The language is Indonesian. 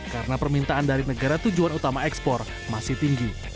karena permintaan dari negara tujuan utama ekspor masih tinggi